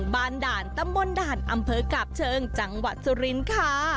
บ้านด่านตำบลด่านอำเภอกาบเชิงจังหวัดสุรินทร์ค่ะ